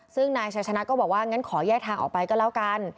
ซึ่งนายชัยชนะก็บอกว่างั้นขอแยกทางออกไปก็แล้วกัน